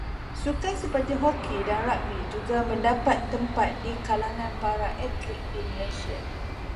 Sukan seperti hoki dan ragbi juga mendapat tempat di kalangan para atlit di Malaysia.